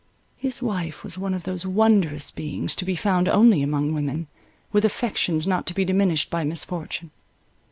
His wife was one of those wondrous beings, to be found only among women, with affections not to be diminished by misfortune.